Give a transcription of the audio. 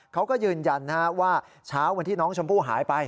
เขาก็ยืนยันว่าเช้าวันที่น้องชมพู่หายไป